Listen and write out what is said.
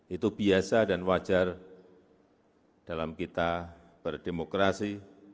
itu biasa dan wajar dalam kita berdemokrasi